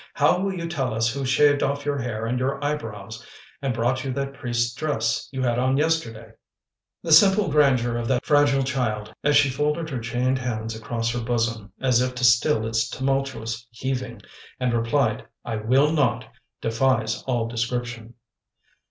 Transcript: How will you tell us who shaved off your hair and your eyebrows, and brought you that priest's dress you had on yesterday?" The simple grandeur of that fragile child, as she folded her chained hands across her bosom, as if to still its tumultuous heaving, and replied, "I will not!" defies all description.